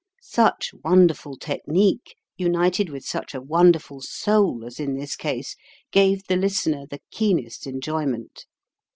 Such wonderful technique, united with such a wonderful soul as in this case, gave the listener the keenest enjoyment.